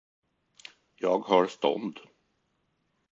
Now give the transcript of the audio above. Jag har stånd.